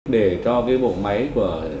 để cho cái bộ máy của